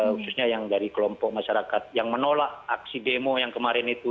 khususnya yang dari kelompok masyarakat yang menolak aksi demo yang kemarin itu